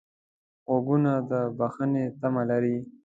غوږونه د بښنې تمه لري